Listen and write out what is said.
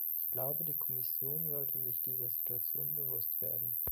Ich glaube, die Kommission sollte sich dieser Situation bewusst werden.